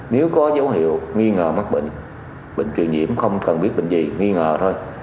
nếu có dấu hiệu nghi ngờ mắc bệnh bệnh truyền nhiễm không cần biết bệnh gì nghi ngờ thôi